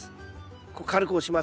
こう軽く押します。